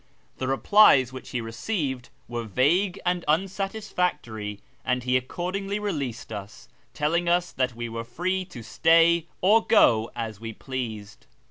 The replies which he received were vague and unsatisfactory, and he accordingly released us, telling us that we were free to stay or go as we pleased.